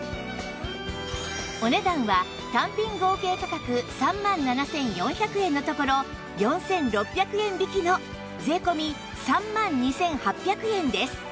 お値段は単品合計価格３万７４００円のところ４６００円引きの税込３万２８００円です